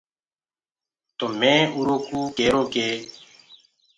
تو مينٚ اُرو ڪوُ ڪيرو ڪي